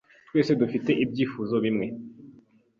Twese dufite ibyifuzo bimwe